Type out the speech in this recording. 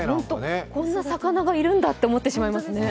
こんな魚がいるんだと思ってしまいますね。